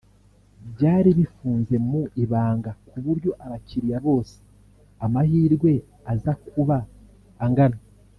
byari bifunze mu ibanga ku buryo abakiriya bose amahirwe aza kuba angana